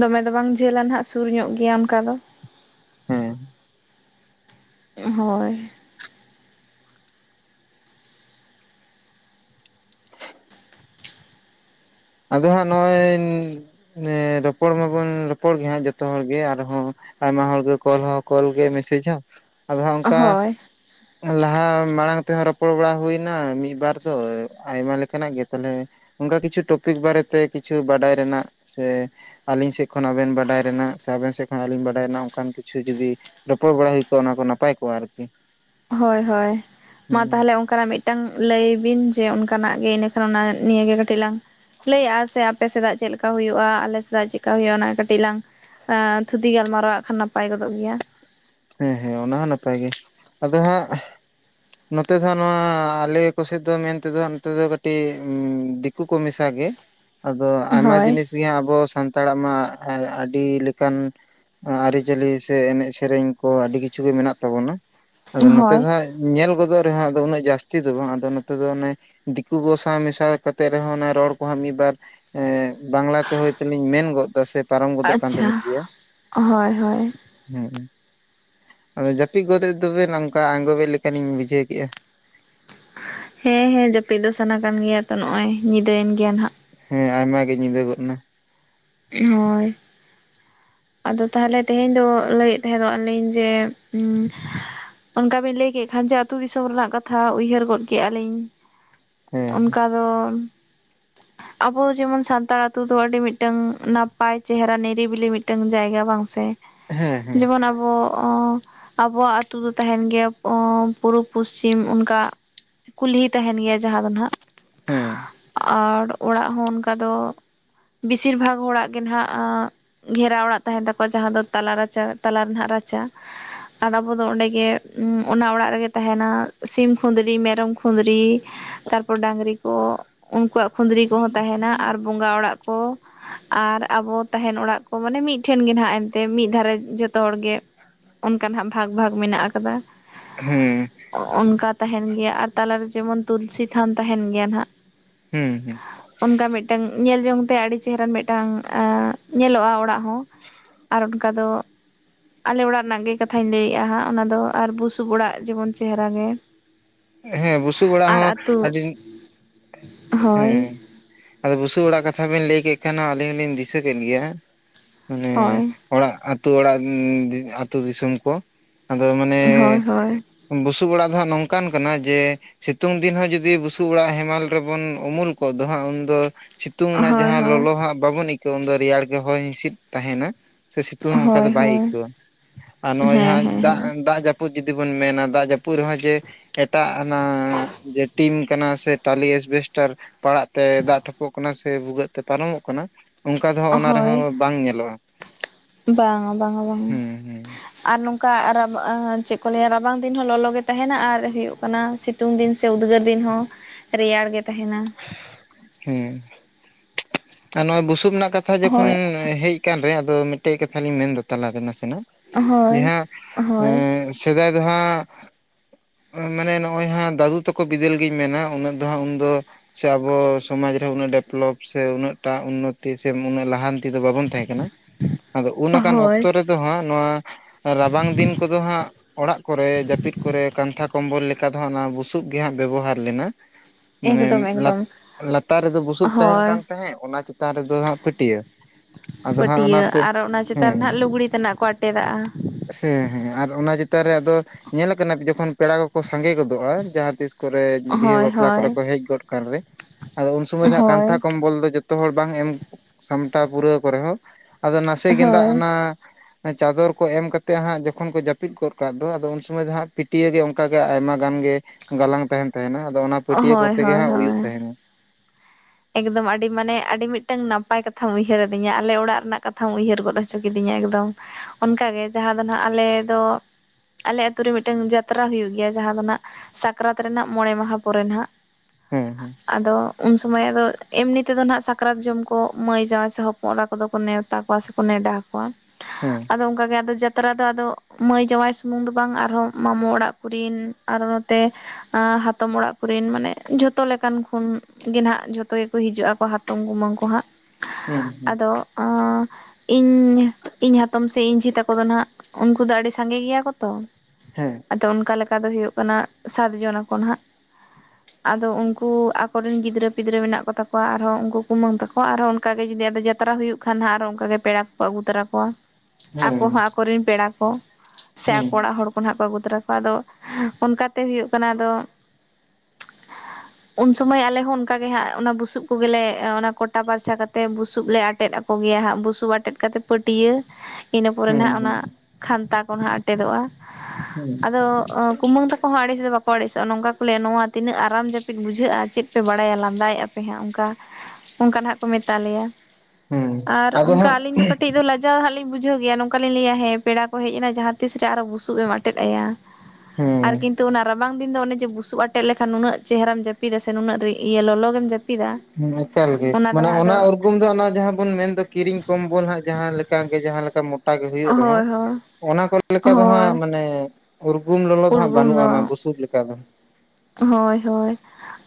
ᱫᱚᱢᱮ ᱫᱚ ᱵᱟᱝ ᱡᱷᱟᱹᱞᱟ ᱦᱟᱸᱜ ᱥᱩᱨ ᱧᱚᱜ ᱜᱮᱭᱟ ᱚᱱᱠᱟ ᱫᱚ᱾ ᱦᱮᱸ᱾ ᱮᱸ ᱦᱳᱭ᱾ ᱟᱫᱚ ᱦᱟᱸᱜ ᱱᱚᱜᱼᱚᱭ ᱮᱸ ᱨᱚᱯᱚᱲ ᱢᱟᱵᱚᱱ ᱨᱚᱯᱚᱲ ᱜᱮ ᱦᱟᱸᱜ ᱡᱚᱛᱚ ᱦᱚᱲ ᱜᱮ ᱟᱨᱦᱚᱸ ᱟᱭᱢᱟ ᱦᱚᱲᱜᱮ ᱠᱚᱞ ᱦᱚᱸ ᱠᱚᱞ ᱜᱮ ᱢᱮᱥᱮᱡᱽ ᱦᱚᱸ ᱟᱫᱚ ᱦᱟᱜ ᱚᱱᱠᱟ ᱦᱳᱭ ᱞᱟᱦᱟ ᱢᱟᱲᱟᱝ ᱛᱮᱦᱚᱸ ᱨᱚᱯᱚᱲ ᱵᱟᱲᱟ ᱦᱩᱭ ᱮᱱᱟ ᱢᱤᱫᱵᱟᱨ ᱫᱚ ᱟᱭᱢᱟ ᱞᱮᱠᱟᱱᱟᱜ ᱜᱮ ᱛᱟᱦᱞᱮ ᱚᱱᱠᱟ ᱠᱤᱪᱷᱩ ᱴᱚᱯᱤᱠ ᱵᱟᱨᱮᱛᱮ ᱠᱤᱪᱷᱩ ᱵᱟᱰᱟᱭ ᱨᱮᱱᱟᱜ ᱥᱮ ᱟᱹᱞᱤᱧ ᱥᱮᱫ ᱠᱷᱚᱱ ᱟᱵᱮᱱ ᱵᱟᱰᱟᱭ ᱨᱮᱱᱟᱜ ᱥᱮ ᱟᱵᱮᱱ ᱥᱮᱫ ᱠᱷᱚᱱ ᱟᱹᱞᱤᱧ ᱵᱟᱰᱟᱭ ᱨᱮᱱᱟᱜ ᱚᱱᱠᱟᱱ ᱠᱤᱪᱷᱩ ᱡᱩᱫᱤ ᱨᱚᱯᱚᱲ ᱵᱟᱲᱟ ᱦᱩᱭ ᱠᱚᱜᱼᱟ ᱚᱱᱟ ᱠᱚ ᱱᱟᱯᱟᱭ ᱠᱚᱜᱼᱟ ᱟᱨᱠᱤ ᱾ ᱦᱳᱭ ᱦᱳᱭ ᱢᱟ ᱛᱟᱦᱚᱞᱮ ᱚᱱᱠᱟᱱᱟᱜ ᱢᱤᱫᱴᱟᱝ ᱞᱟᱹᱭ ᱵᱤᱱ ᱡᱮ ᱚᱱᱠᱟᱱᱟᱜ ᱜᱮ ᱤᱱᱟᱹ ᱠᱷᱟᱱ ᱚᱱᱟ ᱱᱤᱭᱟᱹᱜᱮ ᱠᱟᱹᱴᱤᱡ ᱞᱟᱝ ᱞᱟᱹᱭᱮᱜᱼᱟ ᱥᱮ ᱟᱯᱮ ᱥᱮᱫᱟᱜ ᱪᱮᱫ ᱞᱮᱠᱟ ᱦᱩᱭᱩᱜᱼᱟ ᱟᱞᱮ ᱥᱮᱫᱟᱜ ᱪᱮᱫᱠᱟ ᱦᱩᱭᱩᱜᱼᱟ ᱚᱱᱟ ᱠᱟᱹᱴᱤᱡ ᱞᱟᱝ ᱟ ᱛᱷᱩᱛᱤ‌ ᱜᱟᱞᱢᱟᱨᱟᱣ ᱟᱜ ᱠᱷᱟᱱ ᱱᱟᱯᱟᱭ ᱜᱚᱫᱚᱜ ᱜᱮᱭᱟ ᱾ ᱦᱮᱸ ᱦᱮᱸ ᱚᱱᱟ ᱦᱚᱸ ᱱᱟᱯᱟᱭ ᱜᱮ ᱟᱫᱚ ᱦᱟᱸᱜ ᱱᱚᱛᱮ ᱫᱚ ᱱᱚᱣᱟ ᱟᱞᱮ ᱠᱚᱥᱮᱫ ᱫᱚ ᱢᱮᱱ ᱛᱮᱫᱚ ᱱᱚᱛᱮ ᱫᱚ ᱠᱟᱹᱴᱤᱡ ᱫᱤᱠᱩ ᱠᱚ ᱢᱮᱥᱟᱜ ᱜᱮ ᱟᱫᱚ ᱟᱭᱢᱟ ᱦᱳᱭ ᱡᱤᱱᱤᱥ ᱜᱮ ᱦᱟᱜ ᱟᱵᱚ ᱥ ᱥᱟᱱᱛᱟᱲᱟᱜ ᱢᱟ ᱟᱹᱰᱤ ᱞᱮᱠᱟᱱ ᱟᱹᱨᱤᱪᱟᱹᱞᱤ ᱥᱮ ᱮᱱᱮᱡ ᱥᱮᱨᱮᱧ ᱠᱚ ᱟᱹᱰᱤ ᱠᱤᱪᱷᱩ ᱜᱮ ᱢᱮᱱᱟᱜ ᱛᱟᱵᱚᱱᱟ ᱟᱫᱚ ᱱᱚᱛᱮ ᱦᱳᱭ ᱫᱚ ᱦᱟᱸᱜ ᱧᱮᱞ ᱜᱚᱫᱚᱜ ᱨᱮᱦᱚᱸ ᱟᱫᱚ ᱩᱱᱟᱹᱜ ᱡᱟᱹᱥᱛᱤ ᱫᱚ ᱵᱟᱝ ᱟᱫᱚ ᱱᱚᱛᱮ ᱫᱚ ᱚᱱᱮ ᱫᱤᱠᱩ ᱠᱚ ᱥᱟᱶ ᱢᱮᱥᱟ ᱠᱟᱛᱮᱜ ᱨᱮᱦᱚᱸ ᱚᱱᱟ ᱨᱚᱲ ᱠᱚᱦᱚᱸ ᱢᱤᱫᱵᱟᱨ ᱮ ᱵᱟᱝᱞᱟ ᱛᱮ ᱦᱳᱭᱛᱚᱞᱤᱧ ᱢᱮᱱ ᱜᱚᱫ ᱮᱫᱟ ᱥᱮ ᱯᱟᱨᱚᱢ ᱜᱚᱫᱚᱜ ᱠᱟᱱ ᱟᱪᱪᱷᱟ ᱛᱟᱞᱤᱧ ᱜᱮᱭᱟ ᱦᱳᱭ ᱦᱳᱭ ᱦᱮᱸ ᱟᱫᱚ ᱡᱟᱹᱯᱤᱫ ᱜᱚᱫ ᱫᱚᱵᱮᱱ ᱱᱚᱝᱠᱟ ᱟᱸᱜᱚᱵᱮᱫ ᱞᱮᱠᱟᱞᱤᱧ ᱵᱩᱡᱷᱟᱹᱣ ᱠᱮᱫᱮᱜᱼᱟ ᱾ ᱦᱮᱸ ᱦᱮᱸ ᱡᱟᱹᱯᱤᱫ ᱫᱚ ᱥᱟᱱᱟ ᱠᱟᱱ ᱜᱮᱭᱟ ᱛᱚ ᱱᱚᱜᱼᱚᱭ ᱧᱤᱫᱟᱹᱭᱮᱱ ᱜᱮᱭᱟ ᱦᱟᱸᱜ ᱾ ᱦᱮᱸ ᱟᱭᱢᱟ ᱜᱮ ᱧᱤᱫᱟᱹ ᱜᱚᱫ ᱮᱱᱟ ᱾ ᱦᱳᱭ ᱟᱫᱚ ᱛᱟᱦᱞᱮ ᱛᱮᱦᱮᱧ ᱫᱚ ᱞᱟᱹᱭᱮᱫ ᱛᱟᱦᱮᱸ ᱚᱜ ᱟᱞᱤᱧ ᱡᱮ ᱚᱱᱠᱟ ᱵᱤᱱ ᱞᱟᱹᱭ ᱠᱮᱫ ᱠᱷᱟᱱ ᱡᱮ ᱟᱹᱛᱩ ᱫᱤᱥᱚᱢ ᱨᱮᱱᱟᱜ ᱠᱟᱛᱷᱟ ᱩᱭᱦᱟᱹᱨ ᱜᱚᱫ ᱠᱮᱫᱼᱟ ᱞᱤᱧ ᱦᱮᱸ ᱚᱱᱠᱟ ᱫᱚ ᱟᱵᱚ ᱡᱮᱢᱚᱱ ᱥᱟᱱᱛᱟᱲ ᱟᱹᱛᱩ ᱫᱚ ᱟᱹᱰᱤ ᱢᱤᱫ ᱢᱤᱫᱴᱟᱝ ᱱᱟᱯᱟᱭ ᱪᱮᱦᱮᱨᱟ ᱱᱤᱨᱤᱵᱤᱞᱤ ᱢᱤᱫᱴᱟᱝ ᱡᱟᱭᱜᱟ ᱵᱟᱝ ᱥᱮ, ᱦᱮᱸ ᱡᱮᱢᱚᱱ ᱟᱵᱚ ᱚᱻ ᱟᱵᱚᱣᱟᱜ ᱟᱛᱳ ᱫᱚ ᱛᱟᱦᱮᱱ ᱜᱮᱭᱟ ᱚᱻ ᱯᱩᱨᱩ ᱯᱚᱥᱪᱤᱢ ᱚᱱᱠᱟ ᱾ ᱠᱩᱞᱦᱤ ᱛᱟᱸᱦᱮᱱ ᱜᱮᱭᱟ ᱡᱟᱸᱦᱟ ᱫᱚ ᱱᱟᱜ ᱦᱮᱸ ᱾ ᱟᱨ ᱚᱲᱟᱜ ᱦᱚᱸ ᱚᱝᱠᱟ ᱫᱚ ᱵᱤᱥᱤᱨ ᱵᱷᱟᱜᱽ ᱚᱲᱟᱜ ᱜᱮ ᱱᱟᱦᱟᱜ ᱜᱷᱮᱨᱟ ᱚᱲᱟᱜ ᱛᱟᱸᱦᱮᱱ ᱛᱟᱠᱚᱣᱟ ᱡᱟᱸᱦᱟ ᱫᱚ ᱛᱟᱞᱟ ᱨᱟᱪᱟ ᱛᱟᱞᱟ ᱨᱮᱱᱟᱜ ᱨᱟᱪᱟ ᱾ ᱟᱨ ᱟᱵᱚ ᱫᱚ ᱚᱸᱰᱮ ᱜᱮ ᱚᱱᱟ ᱚᱲᱟᱜ ᱨᱮᱜᱮ ᱛᱟᱸᱦᱮᱱᱟ ᱥᱤᱢ ᱠᱷᱩᱸᱫᱽᱲᱤ ᱢᱮᱨᱚᱢ ᱠᱷᱩᱸᱫᱽᱲᱤ ᱾ ᱛᱟᱨᱯᱚᱨ ᱰᱟᱝᱨᱤ ᱠᱚ ᱩᱱᱠᱩᱣᱟᱜ ᱠᱷᱩᱸᱫᱽᱲᱤ ᱠᱚᱦᱚ ᱛᱟᱸᱦᱮᱱᱟ ᱟᱨ ᱵᱚᱸᱜᱟ ᱚᱲᱟᱜ ᱠᱚ ᱾ ᱟᱨ ᱟᱵᱚ ᱛᱟᱸᱦᱮᱱ ᱚᱲᱟᱜ ᱠᱚ ᱢᱟᱱᱮ ᱢᱤᱫ ᱴᱷᱮᱱ ᱜᱮ ᱱᱟᱦᱟᱜ ᱮᱱᱛᱮ ᱢᱤᱫ ᱫᱷᱟᱨᱮ ᱡᱷᱚᱛᱚ ᱦᱚᱲ ᱜᱮ ᱚᱱᱠᱟ ᱱᱟᱜ ᱵᱷᱟᱜᱽ ᱵᱷᱟᱜᱽ ᱢᱮᱱᱟᱜ ᱟᱠᱟᱫᱟ ᱾ ᱦᱩᱸ ᱾ ᱚ-ᱚᱱᱠᱟ ᱛᱟᱸᱦᱮᱱ ᱜᱮᱭᱟ ᱟᱨ ᱛᱟᱞᱟᱨᱮ ᱡᱮᱢᱚᱱ ᱛᱩᱞᱥᱤ ᱛᱷᱟᱱ ᱛᱟᱸᱦᱮᱱ ᱜᱮᱭᱟ ᱱᱟᱜ ᱾ ᱦᱩᱸ ᱦᱩᱸ ᱚᱱᱠᱟ ᱢᱤᱫᱴᱟᱝ ᱧᱮᱞ ᱡᱚᱝ ᱛᱮ ᱟᱹᱰᱤ ᱪᱮᱦᱮᱨᱟᱱ ᱢᱤᱫᱴᱟᱝ ᱧᱮᱞᱚᱜ-ᱟ ᱚᱲᱟᱜ ᱦᱚᱸ ᱟᱨ ᱚᱱᱠᱟ ᱫᱚ ᱟᱞᱮ ᱚᱲᱟᱜ ᱨᱮᱱᱟᱜ ᱜᱮ ᱠᱟᱛᱷᱟᱧ ᱞᱟᱹᱭᱮᱫ-ᱟ ᱦᱟᱸᱜ ᱚᱱᱟ ᱫᱚ ᱟᱨ ᱵᱩᱥᱩᱵ ᱚᱲᱟᱜ ᱡᱮᱢᱚᱱ ᱪᱮᱦᱮᱨᱟ ᱜᱮ ᱦᱮᱸ ᱵᱩᱥᱩᱵ ᱚᱲᱟᱜ ᱟᱨ ᱦᱚᱸ ᱟᱹᱛᱩ ᱟᱹᱰᱤ ᱦᱮᱸ ᱦᱳᱭ ᱟᱫᱚ ᱵᱩᱥᱩᱵ ᱚᱲᱟᱜ ᱠᱟᱛᱷᱟ ᱵᱮᱱ ᱞᱟᱹᱭ ᱠᱮᱜ ᱠᱷᱟᱱ ᱟᱞᱤᱧ ᱦᱚᱸ ᱞᱤᱧ ᱫᱤᱥᱟᱹ ᱠᱮᱫ ᱜᱮᱭᱟ ᱾ ᱦᱳᱭ ᱢᱟᱱᱮ ᱚᱲᱟᱜ ᱟᱛᱳ ᱚᱲᱟᱜ ᱟᱛᱳ ᱫᱤᱥᱚᱢ ᱠᱚ ᱟᱫᱚ ᱢᱟᱱᱮ ᱦᱳᱭ ᱦᱳᱭ ᱵᱩᱥᱩᱵ ᱚᱲᱟᱜ ᱫᱚ ᱦᱟᱸᱜ ᱱᱚᱝᱠᱟᱱ ᱠᱟᱱᱟ ᱡᱮ ᱥᱤᱛᱩᱝ ᱫᱤᱱ ᱦᱚᱸ ᱡᱩᱫᱤ ᱵᱩᱥᱩᱵ ᱚᱲᱟᱜ ᱦᱮᱢᱟᱞ ᱨᱮᱵᱚᱱ ᱩᱢᱩᱞ ᱠᱚᱜ ᱫᱚ ᱦᱟᱸᱜ ᱩᱱᱫᱚ ᱥᱤᱛᱩᱝ ᱚᱱᱟ ᱦᱳᱭ ᱡᱟᱸᱦᱟ ᱦᱳᱭ ᱞᱚᱞᱚ ᱦᱟᱸᱜ ᱵᱟᱵᱚᱱ ᱟᱹᱭᱠᱟᱹᱣ ᱩᱱ ᱫᱚ ᱨᱮᱭᱟᱲ ᱜᱮ ᱦᱚᱭ ᱦᱤᱸᱥᱤᱫ ᱛᱟᱸᱦᱮᱱᱟ ᱾ ᱥᱮ ᱥᱤᱛᱩᱝ ᱦᱚᱸ ᱚᱱᱠᱟ ᱫᱚ ᱦᱳᱭ ᱵᱟᱭ ᱦᱳᱭ ᱟᱹᱭᱠᱟᱹᱣᱟ ᱟᱨ ᱱᱚᱜ-ᱚᱭ ᱦᱮᱸ ᱡᱟᱸᱦᱟ ᱦᱮᱸ ᱫᱟᱜ ᱦᱮᱸ ᱫᱟᱜ ᱡᱟ ᱡᱟᱹᱯᱩᱫ ᱡᱩᱫᱤ ᱵᱚᱱ ᱢᱮᱱᱟ ᱫᱟᱜ ᱡᱟᱹᱯᱩᱫ ᱨᱮᱦᱚᱸ ᱡᱮ ᱮᱴᱟᱜ ᱦᱟᱱᱟ ᱡᱮ ᱴᱤᱱ ᱠᱟᱱᱟ ᱥᱮ ᱴᱟᱞᱤ ᱮᱥᱵᱮᱥᱴᱟᱨ ᱯᱟᱲᱟᱜ ᱛᱮ ᱫᱟᱜ ᱴᱷᱚᱯᱚᱜ ᱠᱟᱱᱟ ᱥᱮ ᱵᱷᱩᱜᱟᱹᱜ ᱛᱮ ᱯᱟᱨᱚᱢᱚᱜ ᱠᱟᱱᱟ ᱾ ᱚᱱᱠᱟ ᱫᱚ ᱚᱱᱟ ᱦᱳᱭ ᱨᱮᱦᱚᱸ ᱵᱟᱝ ᱧᱮᱞᱚᱜ-ᱟ ᱵᱟᱝᱟ ᱵᱟᱝᱟ ᱵᱟᱝᱟ ᱦᱩᱸ ᱦᱩᱸ ᱾ ᱟᱨ ᱱᱚᱝᱠᱟ ᱨᱟᱵᱟᱝ ᱪᱮᱫ ᱠᱚ ᱞᱟᱹᱭᱟ ᱨᱟᱵᱟᱝ ᱫᱤᱱ ᱦᱚᱸ ᱞᱚᱞᱚᱜ ᱜᱮ ᱛᱟᱸᱦᱮᱱᱟ ᱟᱨ ᱦᱳᱭᱳᱜ ᱠᱟᱱᱟ ᱥᱤ ᱥᱤᱛᱩᱝ ᱫᱤᱱ ᱥᱮ ᱩᱫᱽᱜᱟᱹᱨ ᱫᱤᱱ ᱦᱚᱸ ᱨᱮᱭᱟᱲ ᱜᱮ ᱛᱟᱸᱦᱮᱱᱟ᱾ ᱦᱩᱸ ᱟᱨ ᱱᱚᱜ-ᱚᱭ ᱵᱩᱥᱩᱵ ᱨᱮᱱᱟᱜ ᱠᱟᱛᱷᱟ ᱡᱚᱠᱷᱚᱱ ᱦᱳᱭ ᱦᱮᱡ ᱠᱟᱱ ᱨᱮ ᱟᱫᱚ ᱢᱤᱫᱴᱮᱡ ᱠᱟᱛᱷᱟ ᱞᱤᱧ ᱢᱮᱱ ᱫᱟ ᱛᱟᱞᱟ ᱨᱮ ᱱᱟᱥᱮ ᱱᱟᱜ ᱡᱮ ᱦᱳᱭ ᱦᱟᱸᱜ ᱦᱳᱭ ᱮᱸ ᱥᱮᱫᱟᱭ ᱫᱚ ᱦᱟᱸᱜ ᱢᱟᱱᱮ ᱱᱚᱜ-ᱚᱭ ᱦᱟᱸᱜ ᱫᱟᱫᱩ ᱛᱟᱠᱚ ᱵᱤᱫᱟᱹᱞ ᱜᱤᱧ ᱢᱮᱱᱟ ᱩᱱᱟᱹᱜ ᱫᱚ ᱦᱟᱸᱜ ᱩᱱᱫᱚ ᱥᱮ ᱟᱵᱚ ᱥᱚᱢᱟᱡᱽ ᱨᱮ ᱩᱱᱟᱹᱜ ᱰᱮᱵᱷᱞᱚᱯ ᱥᱮ ᱩᱱᱟᱹᱜ ᱴᱟ ᱩᱱᱱᱚᱛᱤ ᱥᱮ ᱩᱱᱟᱹᱜ ᱞᱟᱦᱟ ᱛᱤ ᱫᱚ ᱵᱟᱵᱚᱱ ᱛᱟᱸᱦᱮ ᱠᱟᱱᱟ ᱟᱫᱚ ᱩᱱᱟᱠᱟᱱ ᱦᱳᱭ ᱚᱠᱛᱚ ᱨᱮᱫᱚ ᱦᱟᱸᱜ ᱱᱚᱣᱟ ᱨᱟᱵᱟᱝ ᱫᱤᱱ ᱠᱚᱫᱚ ᱦᱟᱸᱜ ᱚᱲᱟᱜ ᱠᱚᱨᱮ ᱡᱟᱯᱤᱫ ᱠᱚᱨᱮ ᱠᱟᱱᱛᱷᱟ ᱠᱚᱢᱵᱚᱞ ᱞᱮᱠᱟ ᱫᱚ ᱦᱟᱸᱜ ᱚᱱᱟ ᱵᱩᱥᱩᱵ ᱜᱮ ᱦᱟᱸᱜ ᱵᱮᱵᱚᱦᱟᱨ ᱞᱮᱱᱟ ᱢᱟᱱᱮ ᱮᱠᱫᱚᱢ ᱞᱟ ᱮᱠᱫᱚᱢ ᱞᱟᱛᱟᱨ ᱨᱮᱫᱚ ᱵᱩᱥᱩᱵ ᱛᱟᱦᱮᱱ ᱦᱳᱭ ᱠᱟᱱ ᱛᱟᱦᱮᱸᱜ ᱚᱱᱟ ᱪᱮᱛᱟᱱ ᱨᱮᱫᱚ ᱦᱟᱸᱜ ᱯᱟᱹᱴᱭᱟᱹ᱾ ᱟᱫᱚ ᱦᱟᱸᱜ ᱚᱱᱟ ᱯᱟᱹᱴᱭᱟᱹ ᱯᱟᱹ ᱟᱨ ᱚᱱᱟ ᱪᱮᱛᱟᱱ ᱨᱮ ᱱᱟᱜ ᱞᱩᱜᱽᱲᱤ ᱛᱟᱱᱟᱜ ᱠᱚ ᱟᱴᱮᱫᱟᱜ-ᱟ᱾ ᱦᱮᱸᱦᱮᱸ ᱟᱨ ᱚᱱᱟ ᱪᱮᱛᱟᱱ ᱨᱮ ᱟᱫᱚ ᱧᱮᱞ ᱟᱠᱟᱱᱟ ᱡᱚᱠᱷᱚᱱ ᱯᱮᱲᱟ ᱠᱚᱠᱚ ᱥᱟᱸᱜᱮ ᱜᱚᱫᱚᱜ-ᱟ ᱡᱟᱸᱦᱟ ᱛᱤᱥ ᱠᱚᱨᱮ ᱵᱤᱦᱟᱹ ᱦᱳᱭ ᱵᱟᱯᱞᱟ ᱦᱳᱭ ᱠᱚᱨᱮ ᱠᱚ ᱦᱮᱡ ᱜᱚᱫ ᱠᱟᱱ ᱨᱮ ᱟᱫᱚ ᱩᱱ ᱥᱚᱢᱚᱭ ᱫᱚ ᱦᱟᱸᱜ ᱦᱳᱭ ᱠᱟᱱᱛᱷᱟ ᱠᱚᱢᱵᱚᱞ ᱫᱚ ᱡᱚ ᱡᱚᱛᱚ ᱦᱚᱲ ᱵᱟᱝ ᱮᱢ ᱥᱟᱢᱴᱟᱣ ᱯᱩᱨᱟᱹᱣ ᱟᱠᱚ ᱨᱮᱦᱚᱸ ᱟᱫᱚ ᱱᱟᱥᱮ ᱜᱮᱸᱫᱟᱜ ᱦᱳᱭ ᱚᱱᱟ ᱪᱟᱫᱚᱨ ᱠᱚ ᱮᱢ ᱠᱟᱛᱮᱜ ᱦᱟᱸᱜ ᱡᱚᱠᱷᱚᱱ ᱠᱚ ᱡᱟᱹᱯᱤᱫ ᱜᱚᱫ ᱠᱟᱜ ᱫᱚ ᱟᱫᱚ ᱩᱱ ᱥᱚᱢᱚᱭ ᱫᱚ ᱦᱟᱸᱜ ᱯᱟᱹᱴᱭᱟᱹ ᱜᱮ ᱚᱱᱠᱟ ᱜᱮ ᱟᱭᱢᱟ ᱜᱟᱱ ᱜᱮ ᱜᱟᱞᱟᱝ ᱛᱟᱸᱦᱮᱱ ᱛᱟᱸᱦᱮᱱᱟ ᱟᱫᱚ ᱚᱱᱟ ᱯᱟᱹᱴᱭᱟᱹ ᱦᱳᱭ ᱠᱚᱛᱮ ᱜᱮ ᱦᱳᱭ ᱦᱟᱸᱜ ᱦᱳᱭ ᱾ [inaudible] ᱮᱠᱫᱚᱢ ᱟᱹᱰᱤ ᱢᱟᱱᱮ ᱟᱹᱰᱤ ᱢᱤᱫᱴᱟᱝ ᱱᱟᱯᱟᱭ ᱠᱟᱛᱷᱟᱢ ᱩᱭᱦᱟᱹᱨ ᱟᱫᱤᱧᱟ ᱟᱞᱮ ᱚᱲᱟᱜ ᱨᱮᱱᱟᱜ ᱠᱟᱛᱷᱟᱢ ᱩᱭᱦᱟᱹᱨ ᱜᱚᱫ ᱦᱚᱪᱚ ᱠᱤᱫᱤᱧᱟ ᱮᱠᱫᱚᱢ᱾ ᱚᱱᱠᱟ ᱜᱮ ᱡᱟᱸᱦᱟ ᱫᱚ ᱱᱟᱜ ᱟᱞᱮ ᱫᱚ ᱟᱞᱮ ᱟᱛᱩ ᱨᱮ ᱢᱤᱫᱴᱟᱝ ᱡᱟᱛᱨᱟ ᱦᱩᱭᱩᱜ ᱜᱮᱭᱟ ᱡᱟᱸᱦᱟ ᱫᱚ ᱱᱟᱜ ᱥᱟᱠᱨᱟᱛ ᱨᱮᱱᱟᱜ ᱢᱚᱬᱮ ᱢᱟᱦᱟ ᱯᱚᱨᱮ ᱱᱟᱜ᱾ ᱦᱮᱸ ᱦᱮᱸ ᱟᱫᱚ ᱩᱱ ᱥᱚᱢᱚᱭ ᱟᱫᱚ ᱮᱢᱱᱤ ᱛᱮᱫᱚ ᱱᱟᱜ ᱥᱟᱠᱨᱟᱛ ᱡᱚᱢ ᱠᱚ ᱢᱟᱹᱭ ᱡᱟᱣᱟᱭ ᱥᱮ ᱦᱚᱯᱚᱱ ᱮᱨᱟ ᱠᱚᱫᱚ ᱠᱚ ᱱᱮᱣᱛᱟ ᱠᱚᱣᱟ ᱥᱮᱠᱚ ᱱᱮᱰᱟ ᱟᱠᱚᱣᱟ ᱦᱮᱸ ᱾ ᱟᱫᱚ ᱚᱱᱠᱟᱜᱮ ᱟᱫᱚ ᱯᱟᱛᱨᱟ ᱫᱚ ᱟᱫᱚ ᱢᱟᱹᱭ ᱡᱟᱶᱟᱭ ᱥᱩᱢᱩᱝ ᱫᱚ ᱵᱟᱝ ᱟᱨ ᱦᱚᱸ ᱢᱟᱢᱳ ᱚᱲᱟᱜ ᱠᱚᱨᱮᱤᱱ ᱟᱨ ᱱᱚᱛᱮ ᱦᱟᱛᱚᱢ ᱚᱲᱟᱜ ᱠᱚᱨᱮᱱ ᱢᱟᱱᱮ ᱡᱷᱚᱛᱚ ᱞᱮᱠᱟᱱ ᱠᱷᱚᱱ ᱜᱮ ᱱᱟᱦᱟᱸᱜ ᱡᱚᱛᱚ ᱜᱮᱠᱚ ᱦᱤᱡᱩᱜ ᱟᱠᱚ ᱦᱟᱛᱚᱢ ᱠᱩᱢᱟᱹᱝ ᱠᱚ ᱦᱟᱸᱜ, ᱦᱩᱸ ᱦᱩᱸ ᱟᱫᱚ ᱤᱧ ᱤᱧ ᱦᱟᱛᱚᱢ ᱥᱮ ᱤᱧ ᱡᱷᱤ ᱛᱟᱠᱚ ᱫᱚ ᱱᱟᱜ ᱩᱱᱠᱩ ᱫᱚ ᱟᱹᱰᱤ ᱥᱟᱸᱜᱮ ᱜᱮᱭᱟ ᱠᱚ ᱛᱚ ᱾ ᱦᱮᱸ ᱾ ᱟᱫᱚ ᱚᱱᱠᱟ ᱞᱮᱠᱟ ᱫᱚ ᱦᱩᱭᱩᱜ ᱠᱟᱱᱟ ᱥᱟᱛ ᱡᱚᱱ ᱟᱠᱚ ᱱᱟᱜ ᱟᱫᱚ ᱩᱱᱠᱩ ᱟᱠ ᱨᱮᱱ ᱜᱤᱫᱽᱨᱟᱹ ᱯᱤᱫᱽᱨ ᱢᱮᱱᱟᱜ ᱠᱚ ᱛᱟᱠᱚᱣᱟ ᱟᱨᱦᱚᱸ ᱩᱱᱠᱩ ᱩᱢᱟᱹ ᱛᱟᱠᱚᱣᱟ ᱟᱨ ᱦᱚᱸ ᱚᱱᱠᱟ ᱜᱮ ᱡᱩᱫᱤ ᱟᱫᱚ ᱡᱟᱛᱨᱟ ᱦᱩᱭᱩᱜ ᱠᱷᱟᱱ ᱦᱟᱸᱜ ᱟᱨᱚ ᱚᱱᱠᱟᱜᱮ ᱯᱮᱲᱟ ᱟᱹᱜᱩ ᱛᱟᱨᱟ ᱠᱚᱣᱟ ᱦᱮᱸ ᱟᱠᱚ ᱦᱚᱸ ᱟᱠᱚᱨᱮᱱ ᱯᱮᱲᱟ ᱠᱚ ᱥᱮ ᱦᱮᱸ ᱟᱠᱚ ᱚᱲᱟᱜ ᱦᱚᱲ ᱦᱚᱯᱚᱱ ᱦᱟᱸᱜ ᱠᱚ ᱟᱹᱜᱩ ᱛᱚᱨᱟ ᱠᱚᱣᱟ, ᱟᱫᱚ ᱚᱱᱠᱟᱛᱮ ᱦᱩᱭᱩᱜ ᱠᱟᱱᱟ ᱟᱫᱚ ᱩᱱ ᱥᱚᱢᱚᱭ ᱟᱞᱮ ᱦᱚᱸ ᱚᱱᱠᱟ ᱜᱮ ᱦᱟᱸᱜ ᱚᱱᱟ ᱵᱩᱥᱩᱵ ᱠᱚᱜᱮᱞᱮ ᱚᱱᱟ ᱠᱚᱴᱟ ᱯᱟᱨᱪᱟ ᱠᱟᱛᱮ ᱵᱩᱥᱩᱵ ᱞᱮ ᱟᱴᱮᱫ ᱟᱠᱚ ᱠᱚᱜᱮᱭᱟ ᱦᱟᱸᱜ ᱵᱩᱥᱩᱵ ᱟᱴᱮᱫ ᱠᱟᱛᱮ ᱯᱟᱹᱴᱭᱟᱹ ᱤᱱᱟᱹ ᱦᱮᱸ ᱯᱚᱨᱮᱱᱟᱜ ᱦᱮᱸ ᱚᱱᱟ ᱠᱷᱟᱱᱛᱟ ᱠᱚ ᱱᱟᱜ ᱟᱴᱮᱫᱚᱜᱼᱟ ᱦᱮᱸ ᱾ ᱟᱫᱚ ᱠᱩᱢᱟᱹᱝ ᱛᱟᱠᱚ ᱦᱚᱸ ᱟᱲᱤᱥ ᱫᱚ ᱵᱟᱠᱚ ᱟᱲᱤᱥᱚᱜᱼᱟ ᱱᱚᱝᱠᱟ ᱠᱚ ᱞᱟᱹᱭᱟ ᱱᱚᱣᱟ ᱛᱤᱱᱟᱹᱜ ᱟᱨᱟᱢ ᱡᱟᱹᱯᱤᱫ ᱵᱩᱡᱷᱟᱹᱜᱼᱟ᱾ ᱪᱮᱫ ᱯᱮ ᱵᱟᱲᱟᱭᱟ ᱞᱟᱸᱫᱟᱭᱮᱫ ᱟᱯᱮ ᱦᱟᱸᱜ ᱚᱱᱠᱟ, ᱚᱱᱠᱟᱜ ᱱᱟᱜ ᱠᱚ ᱢᱮᱛᱟ ᱞᱮᱭᱟ ᱾ ᱦᱮᱸ ᱟᱨ ᱟᱫᱚ ᱚᱱᱠᱟ ᱦᱟᱸᱜ ᱟᱞᱤᱧ ᱫᱚ ᱠᱟᱹᱴᱤᱡ ᱫᱚ ᱞᱟᱡ -ᱡᱟᱣ ᱫᱚ ᱦᱟᱸᱜ ᱞᱤᱧ ᱵᱩᱡᱷᱟᱹᱣ ᱜᱮᱭᱟ ᱱᱚᱝᱠᱟ ᱞᱤᱧ ᱞᱟᱹᱭᱟ ᱦᱮ ᱯᱮᱲᱟ ᱦᱮᱡ ᱮᱱᱟ ᱡᱟᱦᱟᱸ ᱛᱤᱥ ᱨᱮ ᱟᱨᱚ ᱵᱩᱥᱩᱵ ᱮᱢ ᱟᱴᱮᱫ ᱟᱭᱟ ᱾ ᱟᱨ ᱦᱮᱸ ᱠᱤᱱᱛᱩ ᱚᱱᱟ ᱨᱟᱵᱟᱝ ᱫᱤᱱ ᱫᱚ ᱚᱱᱮ ᱡᱮ ᱵᱩᱥᱩᱵ ᱟᱴᱮᱫ ᱞᱮᱠᱷᱟᱱ ᱱᱩᱱᱟᱹᱜ ᱪᱮᱦᱨᱟᱢ ᱡᱟᱹᱯᱤᱫᱟ ᱥᱮ ᱾ ᱩᱱᱟᱹᱜ ᱨᱮ ᱤᱭᱟᱹᱞᱚᱞᱚ ᱜᱮᱢ ᱡᱟᱯ ᱦᱮᱸ ᱮᱠᱟᱞ ᱜᱮ ᱢᱟᱱᱮ ᱚᱱᱟ ᱚᱞ ᱩᱱ ᱫᱚ ᱚᱱᱟ ᱡᱟᱦᱟᱸ ᱵᱚᱱ ᱢᱮᱱᱫᱟ ᱠᱤᱨᱤᱧ ᱠᱚᱢᱵᱚᱞ ᱦᱟᱸᱜ ᱡᱟᱦᱟᱸ ᱞᱮᱠᱮ ᱡᱟᱦᱟᱸ ᱞᱮᱠᱟ ᱢᱚᱴᱟ ᱜᱮ ᱦᱩᱭᱩᱜ ᱨᱮᱦᱚᱸ᱾ ᱦᱳᱭ ᱦᱳᱭ ᱚᱱᱟ ᱠᱚ ᱞᱮᱠᱟ ᱫᱚ ᱦᱳᱭ ᱦᱟᱸᱜ ᱢᱟᱱᱮ ᱩᱨᱜᱩᱢ ᱞᱚᱞᱚ ᱫᱚ ᱦᱟᱸᱜ ᱩᱨᱜᱩᱢ ᱵᱟᱹᱱᱩᱜᱼᱟ ᱚᱱᱟ ᱵᱟᱝ ᱵᱩᱥᱩᱵ ᱞᱮᱠᱟ ᱫᱚ ᱾ ᱦᱳᱭ ᱦᱳᱭ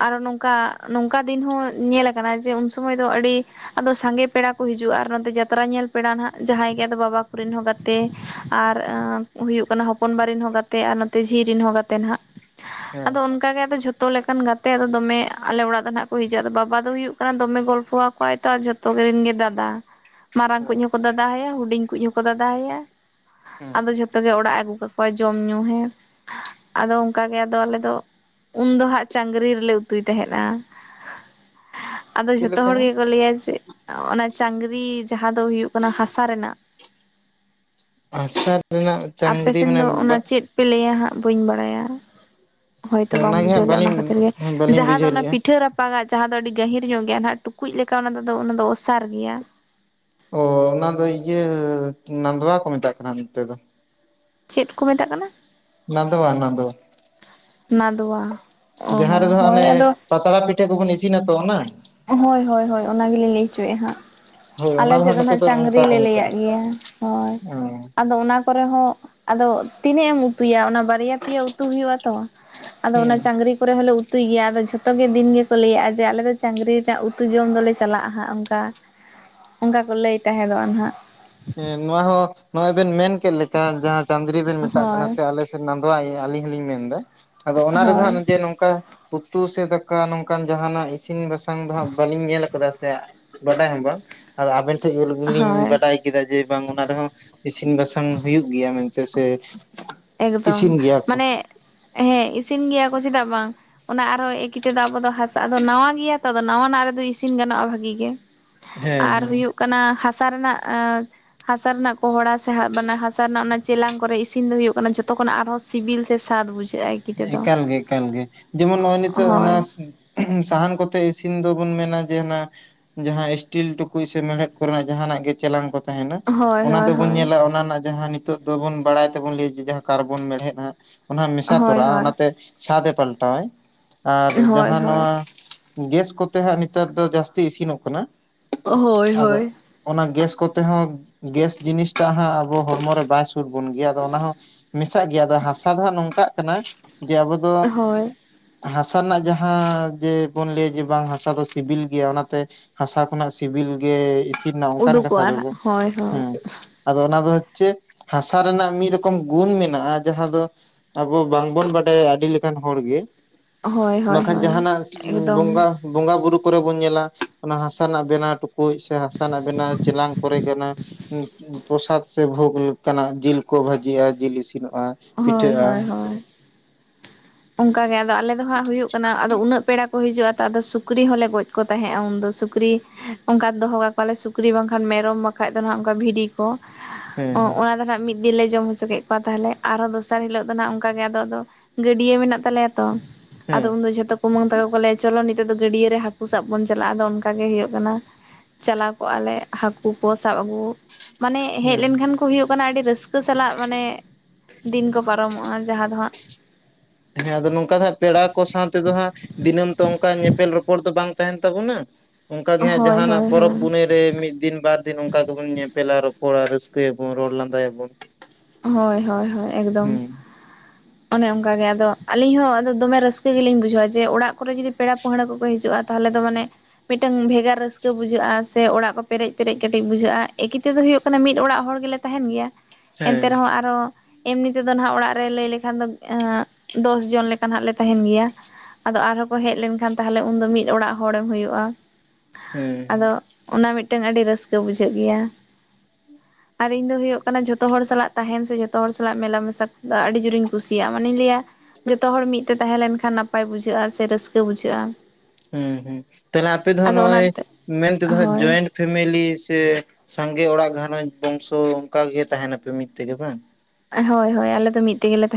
ᱟᱨᱚ ᱱᱚᱝᱠᱟ ᱱᱚᱝᱠᱟ ᱫᱤᱱ ᱦᱚᱸ ᱧᱮᱞᱟ ᱟᱠᱟᱱᱟ ᱡᱮ ᱩᱱᱥᱚᱢᱚᱭ ᱫᱚ ᱟᱹᱰᱤ ᱟᱫᱚ ᱥᱟᱸᱜᱮ ᱯᱮᱲᱟ ᱠᱚ ᱦᱤᱡᱩᱜᱼᱟ ᱟᱨ ᱱᱚᱛᱮ ᱡᱟᱛᱨᱟ ᱧᱮᱞ ᱯᱮᱲᱟ ᱱᱟᱜ ᱡᱟᱦᱟᱸᱭ ᱜᱮ ᱟᱫᱚ ᱵᱟᱵᱟ ᱠᱚᱨᱮᱱ ᱦᱚᱸ ᱜᱟᱛ -ᱛᱮ ᱟᱨ ᱦᱩᱭᱩᱜ ᱠᱟᱱᱟ ᱦᱚᱯᱚᱱ ᱵᱟᱨᱮᱱ ᱦᱚᱸ ᱜᱟᱛᱮ ᱟᱨ ᱱᱚᱛᱮ ᱡᱷᱤ ᱨᱮᱱ ᱦᱚᱸ ᱜᱟᱛᱮ ᱱᱟᱦᱟᱜ ᱾ ᱦᱮᱸ ᱚᱱᱠᱟ ᱜᱮ ᱟᱫᱚ ᱡᱷᱚᱛᱚ ᱞᱮᱠᱟᱱ ᱜᱟᱛᱮ ᱟᱫᱚ ᱫᱚᱢᱮ ᱟᱞᱮ ᱚᱲᱟᱜ ᱫᱚ ᱱᱟᱜ ᱠᱚ ᱦᱤᱡᱩᱜᱼᱟ, ᱟᱫᱚ ᱵᱟᱵᱟ ᱫᱚ ᱦᱩᱭᱩᱜ ᱠᱟᱱᱟ ᱫᱚᱢᱮ ᱜᱚᱞᱯᱚᱣᱟ ᱠᱚᱣᱟᱭ ᱛᱚ ᱟᱨ ᱡᱷᱚᱛᱚ ᱠᱚᱨᱮᱤᱱ ᱜᱮ ᱫᱟᱫᱟ ᱾ ᱢᱟᱨᱟᱝ ᱠᱩᱡ ᱦᱚᱸᱠᱚ ᱫᱟᱫᱟ ᱟᱭᱟ ᱦᱩᱰᱤᱧ ᱠᱩ ᱦᱚᱸᱠᱚ ᱫᱟᱫᱟ ᱟᱭᱟ ᱦᱮᱸ ᱟᱫᱚ ᱡᱷᱚᱛᱚ ᱜᱮ ᱚᱲᱟᱜ ᱟᱹᱜᱩ ᱠᱟ ᱠᱚᱣᱟ ᱡᱚᱢ ᱧᱩ ᱦᱮᱸ, ᱟᱫᱚ ᱚᱱᱠᱟ ᱜᱮ ᱟᱫᱚ ᱟᱞᱮ ᱫᱚ ᱾ ᱩᱱ ᱫᱚ ᱦᱟᱸᱜ ᱪᱟᱸᱜᱨᱤ ᱨᱮᱞᱮ ᱩᱛᱩᱭ ᱛᱟᱦᱮᱸᱱᱟᱜ ᱟᱫᱚ ᱪᱮᱫ ᱡᱷᱚᱛᱚ ᱞᱮᱠᱟ ᱦᱚᱲ ᱦᱟᱸᱜ ᱜᱮ, ᱠᱚ ᱞᱟᱹᱭᱟ ᱡᱮ ᱚᱱᱟ ᱪᱟᱝᱜᱨᱤ ᱡᱟᱦᱟᱸ ᱫᱚ ᱦᱩᱭᱩᱜ ᱠᱟᱱᱟ ᱦᱟᱥᱟ ᱨᱮᱱᱟᱜ ᱾ ᱦᱟᱥᱟ ᱨᱮᱱᱟᱜ ᱟᱯᱮ ᱪᱟᱝᱜᱨᱤ ᱥᱮᱱ ᱢᱟᱱᱮ ᱫᱚ ᱚᱱᱟ ᱪᱮᱫ ᱯᱮ ᱞᱟᱹᱭᱟ ᱦᱟᱸᱜ ᱵᱟᱹᱧ ᱵᱟᱲᱟᱭᱟ ᱾ ᱦᱳᱭᱛᱳ ᱵᱟᱢ ᱚᱱᱟᱜᱮ ᱵᱩᱡᱷᱟᱹᱣ ᱦᱟᱸᱜ ᱞᱮ ᱚᱱᱟ ᱵᱟᱹᱞᱤᱧ ᱠᱷᱟᱹᱛᱤᱨ ᱜᱮ ᱵᱟᱹᱞᱤᱧ ᱡᱟᱦᱟᱸ ᱫᱚ ᱵᱩᱡᱷᱟᱹᱣ ᱚᱱᱟ ᱞᱮᱜᱼᱟ ᱯᱤᱴᱷᱟᱹ ᱨᱟᱯ ᱨᱟᱯᱟᱜᱟ ᱡᱟᱦᱟᱸ ᱫᱚ ᱟᱹᱰᱤ ᱜᱟᱹᱦᱤᱨ ᱧᱚᱜ ᱜᱮᱭᱟ ᱱᱟᱦᱟᱜ ᱴᱩᱠᱩᱡ ᱞᱮᱠᱟ ᱚᱱᱟ ᱫᱚ ᱟᱫᱚ ᱚᱱᱟ ᱫᱚ ᱚᱥᱟᱨ ᱜᱮᱭᱟ ᱾ ᱚ ᱚᱱᱟ ᱫᱚ ᱤᱭᱟᱹ ᱱᱟᱫᱚᱣᱟ ᱠᱚ ᱢᱮᱛᱟᱜ ᱠᱟᱱᱟ ᱱᱚᱛᱮ ᱫᱚ ᱾ ᱪᱮᱫ ᱠᱚ ᱢᱮᱛᱟᱜ ᱠᱟᱱᱟ? ᱱᱟᱫᱚᱣᱟ ᱱᱟᱫᱚᱣᱟ ᱾ ᱱᱟᱫᱚᱣᱟ ᱾ ᱡᱟᱦᱟᱸ ᱨᱮᱫᱚ ᱦᱟᱸᱜ ᱚᱱᱮ ᱯᱟᱛᱲᱟ ᱯᱤᱴᱷᱟᱹ ᱠᱚᱵᱚᱱ ᱤᱥᱤᱱᱟ ᱛᱚ ᱚᱱᱟ? ᱦᱳᱭ ᱦᱳᱭ ᱦᱳᱭ ᱚᱱᱟ ᱜᱮ ᱞᱤᱧ ᱞᱟᱹᱭ ᱦᱚᱪᱚᱭᱮᱫᱼᱟ ᱦᱟᱸᱜ ᱾ ᱦᱳᱭ ᱚᱱᱟ ᱟᱞᱮᱥᱮᱫ ᱦᱟᱸᱜ ᱫᱚ ᱱᱚᱛᱮ ᱱᱟᱜ ᱪᱟᱸᱜᱨᱤ ᱚᱱᱠᱟ ᱠᱚ ᱞᱮ ᱞᱟᱹᱭᱟᱜ ᱢᱮᱛᱟᱜᱼᱟ ᱜᱮᱭᱟ ᱦᱳᱭ ᱚ ᱟᱫᱚ ᱚᱱᱟ ᱠᱚᱨᱮ ᱦᱚᱸ ᱟᱫᱚ ᱛᱤᱱᱟᱹᱜ ᱮᱢ ᱩᱛᱩᱭᱟ ᱚᱱᱟ ᱵᱟᱨᱭᱟ ᱯᱮᱭᱟ ᱩᱛᱩ ᱦᱩᱸᱭᱩᱜᱼᱟ ᱛᱚ ᱟᱫᱚ ᱚᱱᱟ ᱦᱮᱸ ᱪᱟᱹᱝᱨᱤ ᱠᱚᱨᱮ ᱦᱚᱸᱞᱮ ᱩᱛᱩᱭ ᱜᱮᱭᱟ ᱟᱫᱚ ᱡᱷᱚᱛᱚ ᱜᱮ ᱫᱤᱱ ᱜᱮ ᱠᱚ ᱞᱟᱹᱭᱟᱼᱟ ᱡᱮ ᱟᱞᱮ ᱫᱚ ᱪᱟᱹᱝᱨᱤ ᱨᱮᱱᱟᱜ ᱩᱛᱩ ᱡᱚᱢ ᱫᱚᱞᱮ ᱪᱟᱞᱟᱜᱼᱟ ᱦᱟᱸᱜ ᱚᱱᱠᱟ ᱾ ᱚᱱᱠᱟ ᱠᱚ ᱞᱟᱹᱭ ᱛᱟᱦᱮᱸᱫᱚᱜᱼᱟ ᱱᱟᱦᱟᱜ ᱾ ᱦᱮᱸ ᱱᱚᱣᱟ ᱦᱚᱸ ᱱᱚᱜᱼᱚᱭ ᱵᱮᱱ ᱢᱮᱱ ᱠᱮᱫ ᱞᱮᱠᱟ ᱡᱟᱦᱟᱸ ᱪᱟᱸᱫᱨᱤ ᱵᱤᱱ ᱢᱮᱛᱟᱜ ᱠᱟᱱᱟ ᱦᱳᱭ ᱥᱮ ᱟᱞᱮ ᱥᱮ ᱱᱟᱸᱫᱣᱟ ᱜᱮ ᱟᱹᱞᱤᱧ ᱦᱚᱞᱤᱧ ᱢᱮᱱᱫᱟ ᱟᱫᱚ ᱚᱱᱟ ᱨᱮᱫᱚ ᱦᱟᱸᱜ ᱦᱳᱭ ᱡᱮ ᱱᱚᱝᱠᱟ ᱩᱛᱩ ᱥᱮ ᱫᱟᱠᱟ ᱱᱚᱝᱠᱟᱱ ᱡᱟᱦᱟᱱᱟᱜ ᱤᱥᱤᱱ ᱵᱟᱥᱟᱝ ᱫᱚ ᱦᱟᱸᱜ ᱵᱟᱹᱞᱤᱧ ᱧᱮᱞ ᱟᱠᱟᱫᱟ ᱥᱮ᱾ ᱵᱟᱰᱟᱭ ᱦᱚᱸ ᱵᱟᱝ ᱟᱫᱚ ᱟᱵᱮᱱ ᱴᱷᱮᱱ ᱤᱭᱟᱹ ᱞᱤᱜᱤ ᱞᱤᱧ ᱦᱳᱭ ᱵᱟᱰᱟᱭ ᱠᱮᱫᱟ ᱡᱮ ᱵᱟᱝ ᱚᱱᱟ ᱨᱮᱦᱚᱸ ᱤᱥᱤᱱ ᱵᱟᱥᱟᱝ ᱦᱩᱭᱩᱜ ᱜᱮᱭᱟ ᱢᱮᱱᱛᱮ ᱥᱮ ᱮᱠᱫᱚᱢ ᱤᱥᱤᱱ ᱜᱮᱭᱟ ᱠᱚ ᱢᱟᱱᱮ ᱦᱮᱸ ᱤᱥᱤᱱ ᱜᱮᱭᱟ ᱠᱚ ᱪᱮᱫᱟᱜ ᱵᱟᱝ᱾ ᱚᱱᱟ ᱟᱨᱚ ᱮᱠᱤ ᱛᱮᱫᱚ ᱟᱵᱚ ᱫᱚ ᱦᱟᱥᱟ ᱟᱫᱚ ᱱᱟᱣᱟ ᱜᱮᱭᱟ ᱛᱚ ᱟᱫᱚ ᱱᱟᱣᱟᱱᱟᱜ ᱨᱮᱫᱚ ᱤᱥᱤᱱ ᱜᱟᱱᱚᱜᱼᱟ ᱵᱷᱟᱹᱜᱤ ᱜᱮ᱾ ᱦᱮᱸ ᱟᱨ ᱦᱮᱸ ᱦᱩᱭᱩᱜ ᱠᱟᱱᱟ ᱦᱟᱥᱟ ᱨᱮᱱᱟᱜ ᱦᱟᱥᱟ ᱨᱮᱱᱟᱜ ᱠᱚᱦᱚᱲᱟ ᱥᱮ ᱦᱟᱥᱟ ᱨᱮᱱᱟᱜ ᱚᱱᱟ ᱪᱮᱞᱟᱝ ᱠᱚᱨᱮ ᱤᱥᱤᱱ ᱫᱚ ᱦᱩᱭᱩᱜ [unintelligible] ᱡᱚᱛᱚ ᱠᱷᱚᱱᱟᱜ ᱟᱨᱦᱚᱸ ᱥᱤᱵᱤᱞ ᱥᱮ ᱥᱟᱫ ᱵᱩᱡᱷᱟᱹᱜᱼᱟ᱾ ᱛᱮᱫᱚ ᱮᱠᱟᱞ ᱜᱮ ᱮᱠᱟᱞ ᱜᱮ ᱡᱮᱢᱚᱱ ᱱᱚᱜᱼᱚᱭ ᱱᱤᱛᱚᱜ ᱚᱱᱟ ᱦᱳᱭ ᱥᱟᱦᱟᱱ ᱠᱚᱛᱮ ᱤᱥᱤᱱ ᱫᱚᱵᱚᱱ ᱢᱮᱱᱟ ᱡᱮ ᱚᱱᱟ ᱡᱟᱦᱟᱸ ᱥᱴᱤᱞ ᱴᱩᱠᱩᱡ ᱥᱮ ᱢᱮᱲᱦᱮᱫ ᱠᱚᱨᱮᱱᱟᱜ ᱡᱟᱦᱱᱟᱜ ᱜᱮ ᱪᱮᱞᱟᱝ ᱠᱚ ᱛᱟᱦᱮᱱᱟ ᱦᱳᱭ ᱚᱱᱟ ᱦᱳᱭ ᱫᱚᱵᱚᱱ ᱦᱳᱭ ᱧᱮᱞᱟ ᱚᱱᱟ ᱨᱮᱱᱟᱜ ᱡᱟᱦᱟᱸ ᱱᱤ ᱱᱤᱛᱚᱜ ᱫᱚᱵᱚᱱ ᱵᱟᱲᱟᱭ ᱛᱮ ᱵᱚᱱ ᱞᱟᱹᱭᱟ ᱡᱮ ᱡᱟᱦᱟᱸ ᱠᱟᱨᱵᱚᱱ ᱢᱮᱲᱦᱮᱫ ᱦᱟᱸᱜ ᱚᱱᱟ ᱦᱚᱸ ᱢᱮᱥᱟ ᱦᱳᱭ ᱛᱚᱨᱟᱜᱼᱟ ᱦᱳᱭ ᱚᱱᱟᱛᱮ ᱥᱟᱫ ᱮ ᱯᱟᱞᱴᱟᱣᱟᱭ ᱟᱨ ᱦᱳᱭ ᱡᱟᱦᱟᱸ ᱦᱳᱭ ᱱᱚᱣᱟ ᱜᱮᱥ ᱠᱚᱛᱮ ᱦᱟᱸᱜ ᱱᱮᱛᱟᱨ ᱫᱚ ᱡᱟᱹᱥᱛᱤ ᱤᱥᱤᱱᱚᱜ ᱠᱟᱱᱟ, ᱦᱳᱭ ᱟᱫᱚ ᱦᱳᱭ᱾ ᱚᱱᱟ ᱜᱮᱥ ᱠᱚᱛᱮ ᱦᱚᱸ ᱜᱮᱥ ᱡᱤᱱᱤᱥᱴᱟᱜ ᱦᱟᱸᱜ ᱟᱵᱚ ᱦᱚᱲᱢᱚ ᱨᱮ ᱵᱟᱭ ᱥᱩᱴ ᱵᱚᱱ ᱜᱮᱭᱟ ᱟᱫᱚ ᱚᱱᱟ ᱦᱚᱸ ᱢᱮᱥᱟᱜ ᱜᱮᱭᱟ ᱟᱫᱚ ᱦᱟᱥᱟ ᱫᱚ ᱦᱟᱸᱜ ᱱᱚᱝᱠᱟᱜ ᱠᱟᱱᱟ ᱡᱮ ᱟᱵᱚ ᱫᱚ ᱦᱳᱭ ᱦᱟᱥᱟ ᱨᱮᱱᱟᱜ ᱡᱟᱦᱟᱸ ᱡᱮ ᱵᱚᱱ ᱞᱟᱹᱭᱟ ᱡᱮ ᱵᱟᱝ ᱦᱟᱥᱟ ᱫᱚ ᱥᱤᱵᱤᱞ ᱜᱮᱭᱟ ᱚᱱᱟᱛᱮ ᱦᱟᱥᱟ ᱠᱷᱚᱱᱟᱜ ᱥᱤᱵᱤᱞ ᱜᱮ ᱤᱥᱤᱱ ᱱᱟ ᱚᱱᱠᱟᱱ ᱠᱟᱛᱷᱟ ᱫᱚ ᱩᱰᱩᱠᱚᱜᱼᱟ ᱵᱟᱝ ᱦᱳᱭ ᱦᱳᱭ ᱟᱫᱚ ᱚᱱᱟ ᱫᱚ ᱦᱚᱪᱪᱷᱮ ᱦᱟᱥᱟ ᱨᱮᱱᱟᱜ ᱢᱤᱫ ᱨᱚᱠᱚᱢ ᱜᱩᱱ ᱢᱮᱱᱟᱜᱼᱟ ᱡᱟᱦᱟᱸ ᱫᱚ ᱟᱵᱚ ᱵᱟᱝᱵᱚᱱ ᱵᱟᱰᱟᱭᱟ ᱟᱹᱰᱤ ᱞᱮᱠᱟᱱ ᱦᱚᱲ ᱜᱮ ᱦᱳᱭ ᱦᱳᱭ ᱵᱟᱠᱷᱟᱱ ᱦᱳᱭ ᱡᱟᱦᱟᱱᱟᱜ ᱮᱠᱫᱚᱢ ᱵᱚᱸᱜᱟ ᱵᱚᱸᱜᱟ ᱵᱩᱨᱩ ᱠᱚᱨᱮᱵᱚᱱ ᱧᱮᱞᱟ ᱚᱱᱟ ᱦᱟᱥᱟ ᱨᱮᱱᱟᱜ ᱵᱮᱱᱟᱣ ᱠᱩᱡ ᱥᱮ ᱦᱟᱥᱟ ᱨᱮᱱᱟᱜ ᱵᱮᱱᱟᱣ ᱪᱮᱞᱟᱝ ᱠᱚᱨᱮ ᱜᱮ ᱚᱱᱟ ᱯᱨᱚᱥᱟᱫ ᱥᱮ ᱵᱷᱳᱜ ᱞᱮᱠᱟᱱᱟᱜ ᱡᱤᱞ ᱠᱚ ᱵᱷᱟᱹᱡᱤᱜᱼᱟ ᱡᱤᱞ ᱤᱥᱤᱱᱚᱜᱼᱟ ᱦᱳᱭ ᱯᱤᱴᱷᱟᱹᱜᱼᱟ᱾ ᱦᱳᱭ ᱦᱳᱭ ᱚᱱᱠᱟ ᱜᱮ ᱟᱫᱚ ᱟᱞᱮ ᱫᱚ ᱦᱟᱸᱜ ᱦᱩᱭᱩᱜ ᱠᱟᱱᱟ ᱟᱫᱚ ᱩᱱᱟᱹᱜ ᱯᱮᱲᱟ ᱠᱚ ᱦᱤᱡᱩᱜᱼᱟ ᱛᱚ ᱟᱫᱚ ᱥᱩᱠᱨᱤ ᱦᱚᱸᱞᱮ ᱜᱚᱡ ᱠᱚ ᱛᱟᱦᱮᱸᱜᱼᱟ ᱩᱱᱫᱚ ᱥᱩᱠᱨᱤ ᱚᱱᱠᱟ ᱫᱚᱦᱚ ᱠᱟᱠᱚᱣᱟᱞᱮ ᱥᱩᱠᱨᱤ ᱵᱟᱝᱠᱷᱟᱱ ᱢᱮᱨᱚᱢ ᱵᱟᱠᱷᱟᱡ ᱫᱚ ᱦᱟᱸᱜ ᱚᱱᱠᱟ ᱵᱷᱤᱰᱤ ᱠᱚ, ᱦᱮᱸ ᱠᱚ ᱦᱮᱸ ᱚᱱᱟ ᱫᱚ ᱱᱟᱦᱟᱜ ᱢᱤᱫ ᱡᱮᱞᱮ ᱡᱚᱢ ᱦᱚᱪᱚ ᱠᱮᱫ ᱠᱚᱣᱟ ᱛᱟᱦᱞᱮ ᱟᱨᱦᱚᱸ ᱫᱚᱥᱟᱨ ᱦᱤᱞᱳᱜ ᱫᱚ ᱱᱟᱦᱟᱜ ᱚᱱᱠᱟ ᱜᱮ ᱟᱫᱚ ᱤᱭᱟᱹ ᱢᱮᱱᱟᱜ ᱛᱟᱞᱮᱭᱟ ᱛᱚ ᱦᱮᱸ ᱟᱫᱚ ᱩᱱᱫᱚ ᱡᱷᱚᱛᱚ ᱠᱩᱢᱟᱹᱝ ᱛᱟᱠᱚ ᱠᱚ ᱞᱟᱹᱭᱟ ᱪᱚᱞᱚ ᱱᱤᱛᱚᱜ ᱫᱚ ᱜᱟᱹᱰᱭᱟᱹ ᱨᱮ ᱦᱟᱹᱠᱩ ᱥᱟᱵ ᱵᱚᱱ ᱪᱟᱞᱟᱜᱼᱟ ᱟᱫᱚ ᱚᱱᱠᱟ ᱜᱮ ᱦᱩᱭᱩᱜ ᱠᱟᱱᱟ᱾ ᱪᱟᱞᱟᱣ ᱠᱚᱜᱼᱟ ᱞᱮ ᱦᱟᱹᱠᱩ ᱠᱚ ᱥᱟᱵ ᱟᱹᱜᱩ ᱢᱟᱱᱮ ᱦᱮᱡ ᱦᱮᱸ ᱞᱮᱱᱠᱷᱟᱱ ᱠᱚ ᱦᱩᱭᱩᱜ ᱠᱟᱱᱟ ᱟᱹᱰᱤ ᱨᱟᱹᱥᱠᱟᱹ ᱥᱟᱞᱟᱜ ᱢᱟᱱᱮ ᱫᱤᱱ ᱠᱚ ᱯᱟᱨᱚᱢᱚᱜᱼᱟ ᱡᱟᱦᱟᱸ ᱫᱚ ᱦᱟᱸᱜ ᱦᱮᱸ ᱟᱫᱚ ᱱᱚᱝᱠᱟ ᱫᱚ ᱦᱟᱸᱜ ᱯᱮᱲᱟ ᱠᱚ ᱥᱟᱶ ᱛᱮᱫᱚ ᱦᱟᱸᱜ ᱫᱤᱱᱟᱹᱢ ᱛᱚ ᱚᱱᱠᱟ ᱧᱮᱯᱮᱞ ᱨᱚᱯᱚᱲ ᱫᱚ ᱵᱟᱝ ᱛᱟᱦᱮᱱ ᱛᱟᱵᱚᱱᱟ, ᱚᱱᱠᱟᱜᱮ ᱦᱳᱭ ᱦᱟᱸᱜ ᱦᱳᱭ ᱡᱟᱦᱟᱸᱱᱟᱜ ᱯᱚᱨᱚᱵᱽ ᱦᱳᱭ ᱯᱩᱱᱟᱹᱭ ᱨᱮ ᱢᱤᱫ ᱫᱤᱱ ᱵᱟᱫᱽ ᱫᱤᱱ ᱱᱚᱝᱠᱟ ᱜᱮᱵᱚᱱ ᱧᱮᱯᱮᱞᱟ ᱨᱚᱯᱚᱲᱟ ᱨᱟᱹᱥᱠᱟᱹᱭ ᱟᱵᱚᱱ ᱨᱚᱲ ᱞᱟᱸᱫᱟᱭ ᱟᱵᱚᱱ᱾ ᱦᱳᱭ ᱦᱳᱭ ᱦᱳᱭ ᱮᱠᱫᱚᱢ ᱾ ᱚᱱᱮ ᱚᱱᱠᱟ ᱜᱮ ᱟᱫᱚ ᱟᱞᱤᱧ ᱦᱚᱸ ᱟᱫᱚ ᱫᱚᱢ ᱨᱟᱹᱥᱠᱟᱹ ᱜᱮᱞᱤᱧ ᱵᱩᱡᱷᱟᱹᱣᱟ ᱡᱮ ᱚᱲᱟᱜ ᱠᱚᱨᱮ ᱡᱩᱫᱤ ᱯᱮᱲᱟ ᱯᱟᱹᱲᱦᱟᱹ ᱠᱚᱠᱚ ᱦᱤᱡᱩᱜᱼᱟ᱾ ᱛᱟᱦᱚᱞᱮ ᱫᱚ ᱢᱟᱱᱮ ᱢᱤᱫᱴᱟᱹᱝ ᱵᱷᱮᱜᱟᱨ ᱨᱟᱹᱥᱠᱟᱹ ᱵᱩᱡᱷᱟᱹᱜᱼᱟ ᱥᱮ ᱚᱲᱟᱜ ᱠᱚ ᱯᱮᱨᱮᱡ ᱯᱮᱨᱮᱡ ᱠᱟᱹᱴᱤᱡ ᱵᱩᱡᱷᱟᱹᱜᱼᱟ ᱮᱠᱤ ᱛᱮᱫᱚ ᱦᱩᱭᱩᱜ ᱠᱟᱱᱟ ᱢᱤᱫ ᱚᱲᱟᱜ ᱦᱚᱲ ᱜᱮᱞᱮ ᱛᱟᱦᱮᱱ ᱜᱮᱭᱟ ᱮᱱᱛᱮ ᱦᱮᱸ ᱨᱮᱦᱚᱸ ᱟᱨᱚ ᱮᱢᱱᱤ ᱛᱮᱫᱚ ᱱᱟᱜ ᱚᱲᱟᱜ ᱨᱮ ᱞᱟᱹᱭ ᱞᱮᱠᱷᱟᱱ ᱫᱚ ᱫᱚᱥ ᱡᱚᱱ ᱞᱮᱠᱟ ᱱᱟᱜ ᱞᱮ ᱛᱟᱦᱮᱱ ᱜᱮᱭᱟ᱾ ᱟᱫᱚ ᱟᱨᱦᱚᱸ ᱠᱚ ᱦᱮᱡ ᱞᱮᱱᱠᱷᱟᱱ ᱛᱟᱦᱞᱮ ᱩᱱᱫᱚ ᱢᱤᱫ ᱚᱲᱟᱜ ᱦᱚᱲᱮᱢ ᱦᱳᱭᱳᱜᱼᱟ᱾ ᱦᱮᱸ ᱾ ᱚᱱᱟ ᱢᱤᱫᱴᱟᱝ ᱟᱹᱰᱤ ᱨᱟᱹᱥᱠᱟᱹ ᱵᱩᱡᱷᱟᱹᱜ ᱜᱮᱭᱟ, ᱟᱨ ᱤᱧ ᱫᱚ ᱦᱳᱭᱳᱜ ᱠᱟᱱᱟ ᱡᱷᱚ ᱛᱚ ᱦᱚᱲ ᱥᱟᱞᱟᱜ ᱛᱟᱦᱮᱱ ᱥᱮ ᱡᱚᱛᱚ ᱦᱚᱲ ᱥᱟᱞᱟᱜ ᱢᱮᱞᱟ ᱢᱮᱥᱟ ᱟᱹᱰᱤ ᱡᱳᱨᱤᱧ ᱠᱩᱥᱤᱭᱟᱜᱼᱟ ᱢᱟᱱᱮᱧ ᱞᱟᱹᱭᱟ ᱡᱚᱛᱚ ᱦᱚᱲ ᱢᱤᱫ ᱛᱮ ᱛᱟᱦᱮᱸ ᱞᱮᱱᱠᱷᱟᱱ ᱱᱟᱯᱟᱭ ᱵᱩᱡᱷᱟᱹᱜᱼᱟ, ᱥᱮ ᱨᱟᱹᱥᱠᱟᱹ ᱵᱩᱡᱷᱟᱹᱜᱼᱟ ᱾ ᱦᱩᱸ ᱦᱩᱸ, ᱛᱟᱦᱚᱞᱮ ᱟᱯᱮ ᱫᱚ ᱦᱟᱜ ᱱᱚᱜᱼᱚᱭ ᱚᱱᱟᱛᱮ ᱢᱮᱱᱛᱮᱫᱚ ᱦᱟᱸᱜ ᱦᱳᱭ ᱡᱚᱭᱮᱱᱴ ᱯᱷᱮᱢᱮᱞᱤ ᱥᱮ ᱥᱟᱸᱜᱮ ᱚᱲᱟᱜ ᱜᱷᱟᱨᱚᱸᱧᱡᱽ ᱵᱚᱝᱥᱚ ᱚᱝᱠᱟ ᱜᱮ ᱛᱟᱦᱮᱱᱟᱯᱮ ᱢᱤᱫ ᱛᱮᱜᱮ ᱵᱟᱝ? ᱦᱳᱭ, ᱦᱳᱭ ᱟᱞᱮ ᱢᱤᱫ ᱛᱮᱜᱮᱞᱮ ᱛᱟᱦᱮᱸᱱ